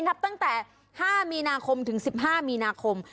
นับตั้งแต่๕มีนาคมถึง๑๕มีนาคม